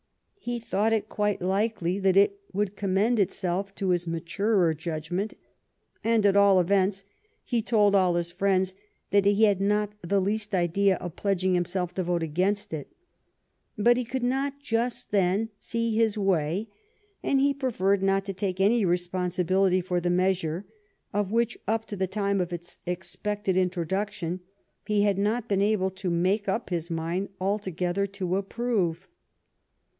He thought it quite likely that it would commend itself to his maturer judgment — and, at all events, he told all his friends that he had not the least idea of pledg ing himself to vote against it — but he could not just then see his way, and he preferred not to take any responsibility for the measure, of which up to the time of its expected introduction he had not been able to make up his mind altogether to approve.